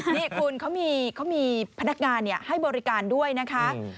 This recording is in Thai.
นี่คุณเขามีพนักงานให้บริการด้วยนะคะ